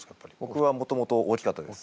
僕はもともと大きかったです。